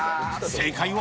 正解は？